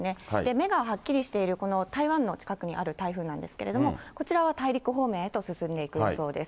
目がはっきりしている、この台湾の近くにある台風なんですけれども、こちらは大陸方面へと進んでいく予想です。